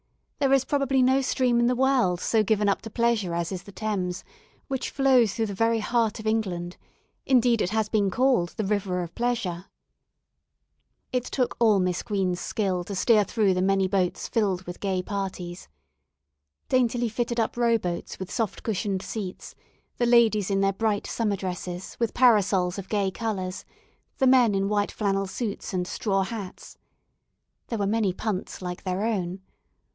There is probably no stream in the world so given up to pleasure as is the Thames, which flows through the very heart of England; indeed it has been called the "River of Pleasure." It took all Miss Green's skill to steer through the many boats filled with gay parties. Daintily fitted up rowboats with soft cushioned seats, the ladies in their bright summer dresses, with parasols of gay colours; the men in white flannel suits and straw hats. There were many punts like their own.